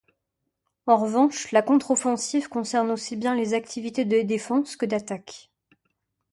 En revanche, la contre-offensive concerne aussi bien les activités de défense que d’attaque.